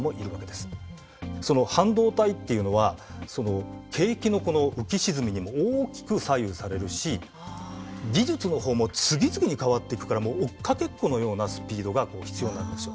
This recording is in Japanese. その半導体っていうのは景気の浮き沈みにも大きく左右されるし技術の方も次々に変わっていくから追っかけっこのようなスピードが必要なんですよ。